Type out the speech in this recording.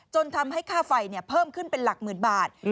ทำให้ค่าไฟเพิ่มขึ้นเป็นหลักหมื่นบาท